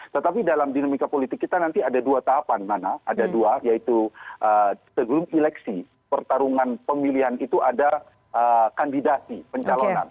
tetapi dalam dinamika politik kita nanti ada dua tahapan mana ada dua yaitu sebelum eleksi pertarungan pemilihan itu ada kandidasi pencalonan